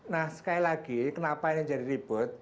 nah sekali lagi kenapa ini jadi ribut